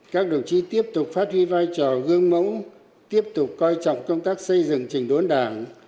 các đồng chí tiếp tục phát huy vai trò gương mẫu tiếp tục coi trọng công tác xây dựng trình đốn đảng